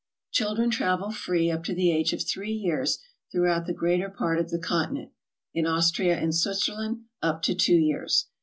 Children travel free up to the age of 3 years through out the greater part of the Continent; in Austria and Switzerland, up to 2 years.